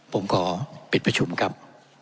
ผมขอปิดประชุมครับ